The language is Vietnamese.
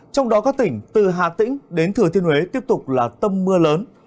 trong đó các tỉnh từ hà tĩnh đến thừa thiên huế tiếp tục là tâm mưa lớn